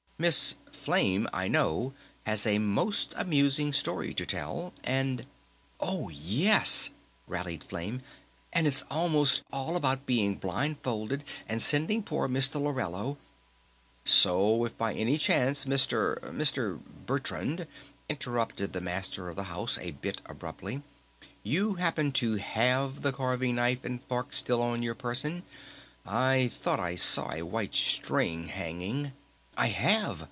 Miss Flame I know has a most amusing story to tell and " "Oh, yes!" rallied Flame. "And it's almost all about being blindfolded and sending poor Mr. Lorello " "So if by any chance, Mr. Mr. Bertrand," interrupted the Master of the House a bit abruptly, "you happen to have the carving knife and fork still on your person ... I thought I saw a white string hanging " "I have!"